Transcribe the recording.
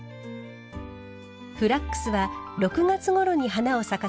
フラックスは６月ごろに花を咲かせます。